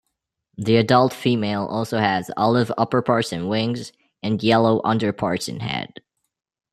The adult female also has olive upperparts and wings, and yellow underparts and head.